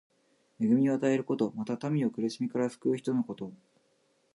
恵みを与えること。また、民を苦しみから救う人のこと。